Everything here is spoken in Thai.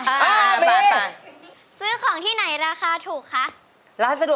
คิดถึงใจจะขาดเธออาจไม่เข้าใจ